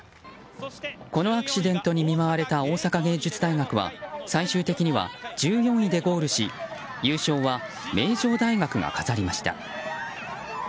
このアクシデントに見舞われた大阪芸術大学は最終的には１４位でゴールし優勝は名城大学が飾りました。